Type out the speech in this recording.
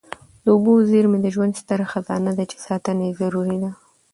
د اوبو زیرمې د ژوند ستره خزانه ده چي ساتنه یې ضروري ده.